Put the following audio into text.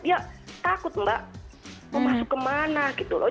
ya takut mbak mau masuk kemana gitu loh